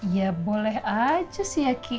ya boleh aja sih ya ki